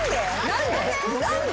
何で？